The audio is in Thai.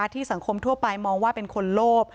สังคมทั่วไปมองว่าเป็นคนโลภ